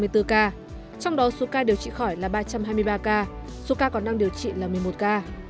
trong đó số ca điều trị khỏi là ba trăm hai mươi ba ca số ca còn đang điều trị là một mươi một ca